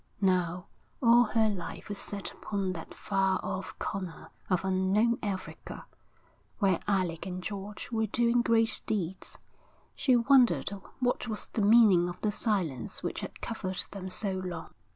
Now all her life was set upon that far off corner of unknown Africa, where Alec and George were doing great deeds. She wondered what was the meaning of the silence which had covered them so long.